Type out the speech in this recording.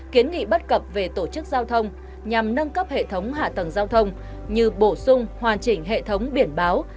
kiến nghị bất cập về tổ chức giao thông nhằm nâng cấp hệ thống hạ tầng giao thông như bổ sung hoàn chỉnh hệ thống biển báo